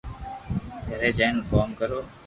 گھري جائين ڪوم ڪرو